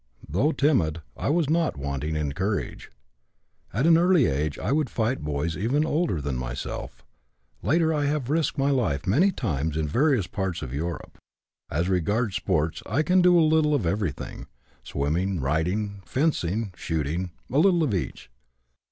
Though timid I was not wanting in courage. At an early age I would fight boys even older than myself. Later I have risked my life many times in various parts of Europe. As regards sports, I can do a little of everything: swimming, riding, fencing, shooting, a little of each.